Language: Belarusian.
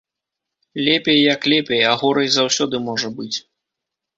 Лепей як лепей, а горай заўсёды можа быць.